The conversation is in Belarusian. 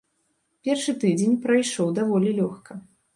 Першы тыдзень прайшоў даволі лёгка.